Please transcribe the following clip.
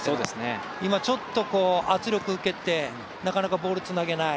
今、ちょっと圧力受けてなかなかボールつなげない。